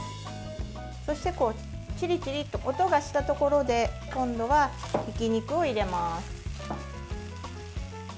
そしてちりちりと音がしたところで今度は、ひき肉を入れます。